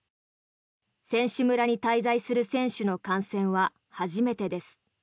選手村に滞在する選手の感染は初めてです。